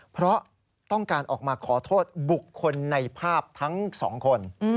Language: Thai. เพราะต้องการออกมาขอโทษบุคคลในภาพทั้งสองคน